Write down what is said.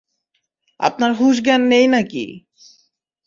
আপনার হুশ জ্ঞান নেই নাকি?